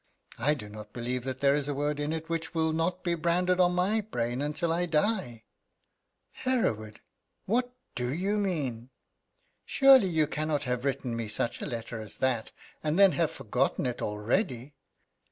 I do not believe that there is a word in it which will not be branded on my brain until I die." "Hereward! What do you mean?" "Surely you cannot have written me such a letter as that, and then have forgotten it already?"